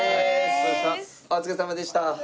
お疲れさまでした！